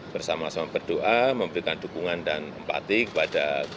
bersama sama berdoa memberikan dukungan dan empati kepada